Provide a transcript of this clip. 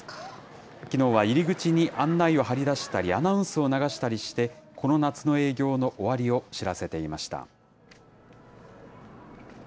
きのうは入り口に案内を張り出したりアナウンスを流したりして、この夏の営業の終わりを知らせていました。